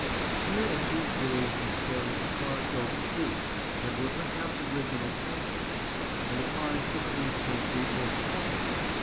Here are two curious enclosed carved oak pews that were perhaps originally chantries, and a fine fifteenth century oak pulpit.